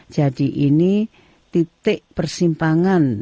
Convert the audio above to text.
jadi ini titik persimpangan